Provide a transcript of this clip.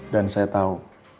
dan saya tahu